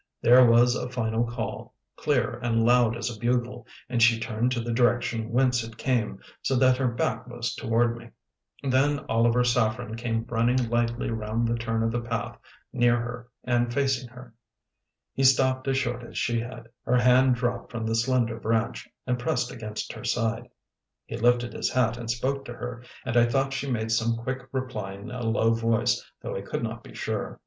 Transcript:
There was a final call, clear and loud as a bugle, and she turned to the direction whence it came, so that her back was toward me. Then Oliver Saffren came running lightly round the turn of the path, near her and facing her. He stopped as short as she had. Her hand dropped from the slender branch, and pressed against her side. He lifted his hat and spoke to her, and I thought she made some quick reply in a low voice, though I could not be sure.